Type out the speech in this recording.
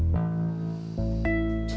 gak mau tau